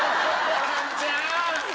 ホランちゃん！